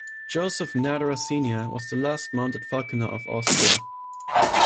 Joseph Natterer Senior was the last mounted falconer of Austria.